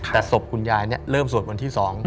แต่ศพคุณยายเริ่มสวดวันที่๒